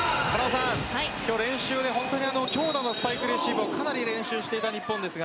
今日、練習で本当に強打のスパイクレシーブをかなり練習していた日本ですが。